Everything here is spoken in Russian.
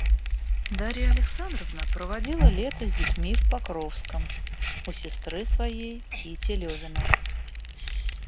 Дарья Александровна проводила лето с детьми в Покровском, у сестры своей Кити Левиной.